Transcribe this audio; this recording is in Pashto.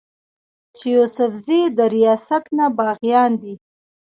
چې يوسفزي د رياست نه باغيان دي